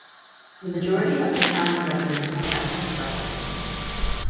The majority of the town's residents are ethnic Russians.